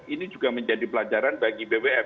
ini juga menjadi pelajaran bagi bwf